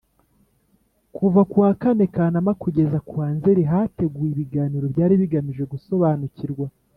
Kuva kuwa kane Kanama kugeza kuwa Nzeri hateguwe ibiganiro byari bigamije gusobanukirwa